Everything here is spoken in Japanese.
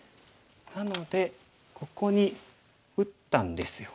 なのでここに打ったんですよ。